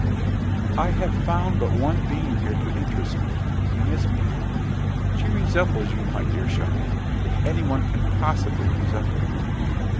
I have found but one being here to interest me, a Miss B . She resembles you, my dear Charlotte, if any one can possibly resemble you.